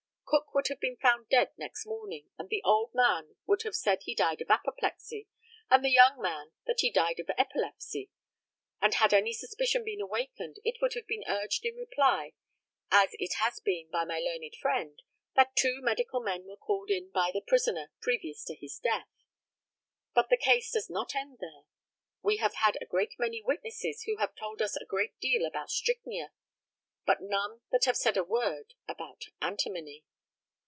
Cook would have been found dead next morning, and the old man would have said he died of apoplexy, and the young man that he died of epilepsy; and had any suspicion been awakened, it would have been urged in reply, as it has been by my learned friend, that two medical men were called in by the prisoner previous to his death. But the case does not end here. We have had a great many witnesses who have told us a great deal about strychnia, but none that have said a word about antimony.